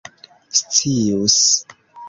scius